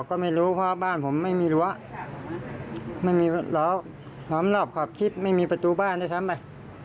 ก็ไม่รู้เพราะบ้านผมไม่มีหลัวหลอมหลอบขอบคิดไม่มีประตูบ้านได้ซ้ำไป